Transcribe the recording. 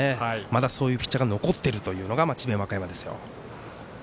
まだそういうピッチャーが残っているというのが智弁和歌山ですよ。